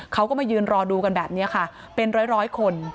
เขาก็มายืนรอดูกันแบบนี้ค่ะเป็นร้อยคน